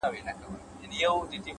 د ساده توب ځواک ذهن روښانه کوي؛